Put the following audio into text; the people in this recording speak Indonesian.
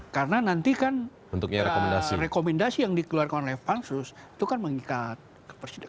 karena nanti kan rekomendasi yang dikeluarkan oleh pak pansus itu kan mengikat ke presiden